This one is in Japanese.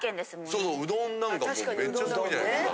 そうそううどんなんかもめっちゃすごいじゃないですか。